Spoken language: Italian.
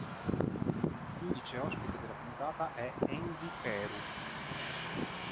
Giudice ospite della puntata è Envy Peru.